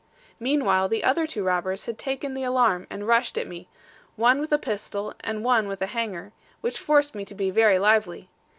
Meanwhile the other two robbers had taken the alarm, and rushed at me, one with a pistol and one with a hanger; which forced me to be very lively.